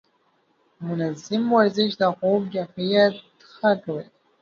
منظم ورزش د خوب کیفیت ښه کوي.